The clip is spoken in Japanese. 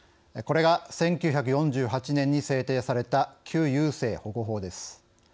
これが、１９４８年に制定された旧優生保護法です。